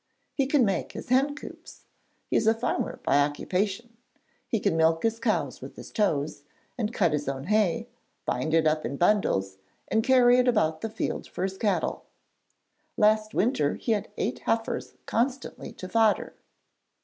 He can make his hen coops. He is a farmer by occupation; he can milk his cows with his toes, and cut his own hay, bind it up in bundles, and carry it about the field for his cattle. Last winter he had eight heifers constantly to fodder.